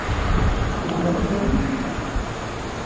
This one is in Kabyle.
Tzemrem ad d-tallem?